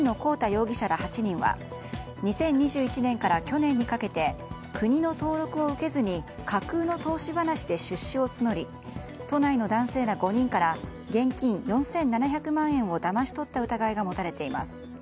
容疑者ら８人は２０２１年から去年にかけて国の登録を受けずに架空の投資話で出資を募り都内の男性ら５人から現金４７００万円をだまし取った疑いが持たれています。